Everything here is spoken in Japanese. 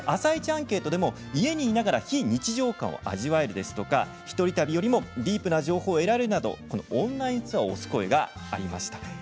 アンケートでも家にいながら非日常感を味わえるですとか一人旅よりもディープな情報をを得られないなどオンラインツアーを推す声がありました。